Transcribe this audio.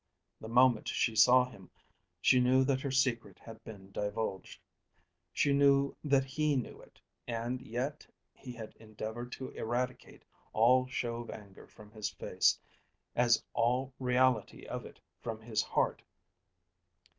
The moment she saw him she knew that her secret had been divulged. She knew that he knew it, and yet he had endeavoured to eradicate all show of anger from his face, as all reality of it from his heart.